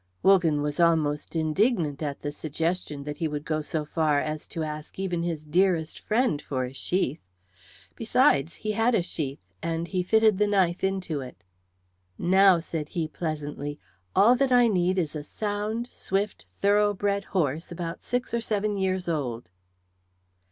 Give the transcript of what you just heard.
Wogan was almost indignant at the suggestion that he would go so far as to ask even his dearest friend for a sheath. Besides, he had a sheath, and he fitted the knife into it. "Now," said he, pleasantly, "all that I need is a sound, swift, thoroughbred horse about six or seven years old."